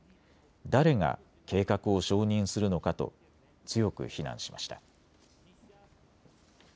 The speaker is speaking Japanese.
誰が計画を承認するのかと強く非難しました。